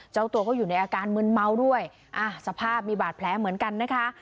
เจ้าตัวก็อยู่ในอาการมืนเมาด้วยสภาพมีบาดแผลเหมือนกันนะคะ